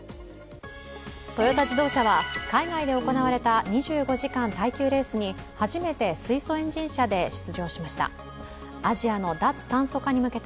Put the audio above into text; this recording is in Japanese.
トヨタ自動車は海外で行われた２５時間耐久レースに初めて水素エンジン車で出場しました。